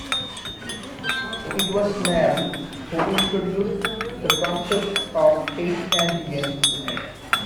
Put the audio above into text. It was Snell who introduced the concept of H antigens.